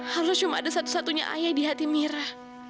harusnya cuma ada satu satunya ayah di hati mira